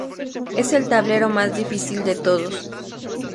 Es el tablero más difícil de todos.